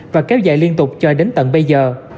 và kéo dài liên tục cho đến tận bây giờ